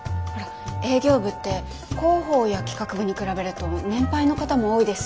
営業部って広報や企画部に比べると年配の方も多いですし。